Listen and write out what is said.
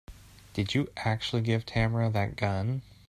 Did you actually give Tamara that gun?